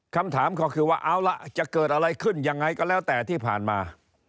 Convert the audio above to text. คำถามก็คือว่าเอาล่ะจะเกิดอะไรขึ้นยังไงก็แล้วแต่ที่ผ่านมา